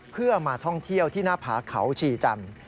เพื่อมาท่องเที่ยวที่หน้าผาเขาชีจันทร์